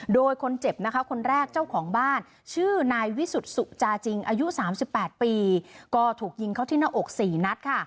โดยคนเจ็บนะคะคนแรกเจ้าของบ้านชื่อนายวิสุทธิสุจาจริงอายุ๓๘ปีก็ถูกยิงเข้าที่หน้าอก๔นัดค่ะ